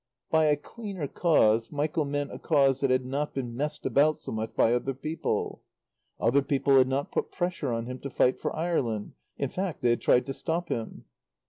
By a cleaner cause Michael meant a cause that had not been messed about so much by other people. Other people had not put pressure on him to fight for Ireland; in fact they had tried to stop him.